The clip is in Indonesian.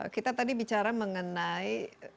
kita tadi bicara mengenai